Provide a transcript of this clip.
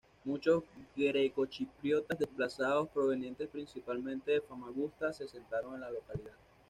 Muchos grecochipriotas desplazados, provenientes principalmente de Famagusta, se asentaron en la localidad.